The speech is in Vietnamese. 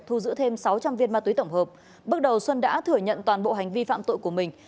thu giữ thêm sáu trăm linh viên ma túy tổng hợp bước đầu xuân đã thừa nhận toàn bộ hành vi phạm tội của mình